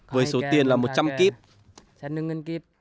với số tiền là một trăm linh kip